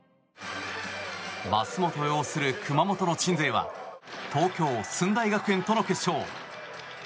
舛本擁する熊本の鎮西は東京・駿台学園との決勝。